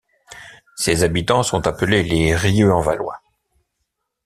Ses habitants sont appelés les Rieux-en-Valois.